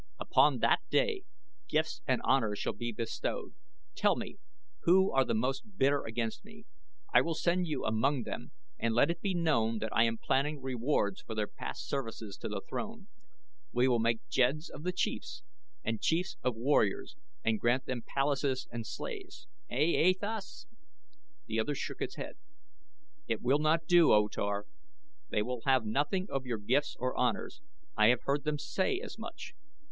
Upon that day gifts and honors shall be bestowed. Tell me, who are most bitter against me? I will send you among them and let it be known that I am planning rewards for their past services to the throne. We will make jeds of chiefs and chiefs of warriors, and grant them palaces and slaves. Eh, E Thas?" The other shook his head. "It will not do, O Tar. They will have nothing of your gifts or honors. I have heard them say as much."